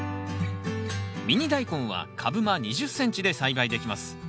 ミニダイコンは株間２０ｃｍで栽培できます。